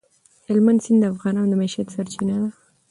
هلمند سیند د افغانانو د معیشت سرچینه ده.